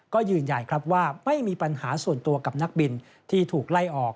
ก็ยืนยันครับว่าไม่มีปัญหาส่วนตัวกับนักบินที่ถูกไล่ออก